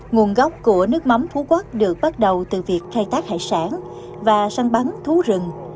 nguồn gốc của nước mắm phú quốc được bắt đầu từ việc khai thác hải sản và săn bắn thú rừng